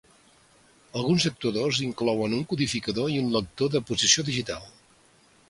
Alguns actuadors inclouen un codificador i un lector de posició digital.